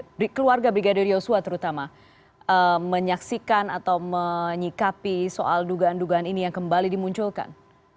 bagaimana keluarga brigadir yosua terutama menyaksikan atau menyikapi soal dugaan dugaan ini yang kembali dimunculkan